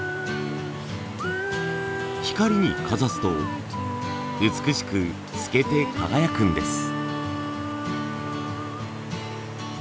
光にかざすと美しく透けて輝くんです。